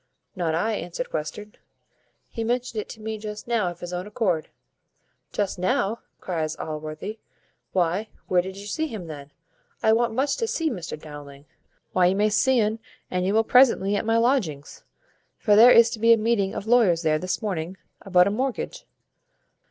"Not I," answered Western, "he mentioned it to me just now of his own accord." "Just now!" cries Allworthy, "why, where did you see him then? I want much to see Mr Dowling." "Why, you may see un an you will presently at my lodgings; for there is to be a meeting of lawyers there this morning about a mortgage.